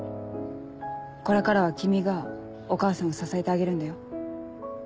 これからは君がお母さんを支えてあげるんだよ。